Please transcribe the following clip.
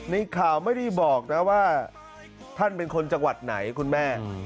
ในข่าวไม่ได้บอกนะว่าท่านเป็นคนจังหวัดไหนคุณแม่